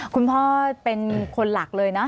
คุณพ่อเป็นคนหลักเลยนะ